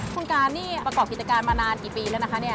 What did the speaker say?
คุณการนี่ประกอบกิจการมานานกี่ปีแล้วนะคะเนี่ย